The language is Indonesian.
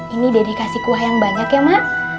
ini dede kasih kuah yang banyak ya mak